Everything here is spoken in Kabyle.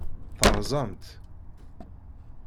Terẓam-tt.